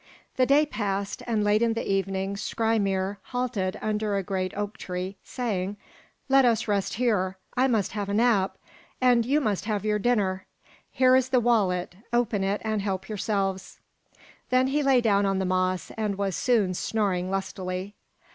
The day passed, and late in the evening Skrymir halted under a great oak tree, saying, "Let us rest here. I must have a nap, and you must have your dinner. Here is the wallet, open it and help yourselves." Then he lay down on the moss, and was soon snoring lustily.